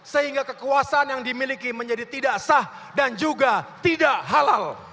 sehingga kekuasaan yang dimiliki menjadi tidak sah dan juga tidak halal